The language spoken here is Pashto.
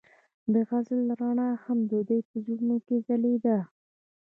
د غزل رڼا هم د دوی په زړونو کې ځلېده.